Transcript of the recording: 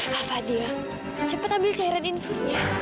kak fadil cepat ambil cairan infusnya